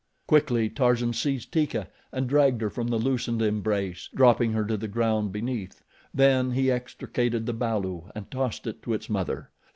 Quickly Tarzan seized Teeka and dragged her from the loosened embrace, dropping her to the ground beneath, then he extricated the balu and tossed it to its mother.